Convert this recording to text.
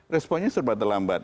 responnya serba terlambat